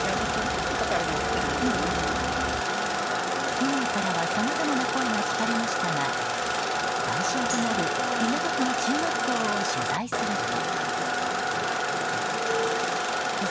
区民からはさまざまな声が聞かれましたが対象となる港区の中学校を取材すると。